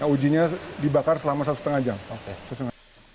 ujinya dibakar selama satu setengah jam